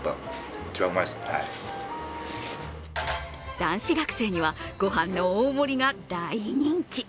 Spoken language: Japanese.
男子学生には、ごはんの大盛りが大人気。